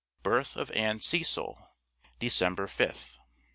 Birth of Anne Cecil (December 5th).